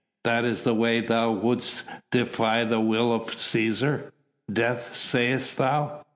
"That is the way thou wouldst defy the will of Cæsar? Death, sayest thou?...